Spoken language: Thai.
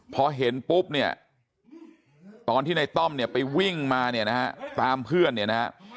พอเห็นปุ๊บเนี่ยตอนที่ในต้อมเนี่ยไปวิ่งมาเนี่ยนะฮะตามเพื่อนเนี่ยนะฮะ